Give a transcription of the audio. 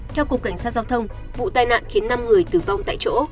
theo cục cảnh sát giao thông vụ tai nạn khiến năm người tử vong tại chỗ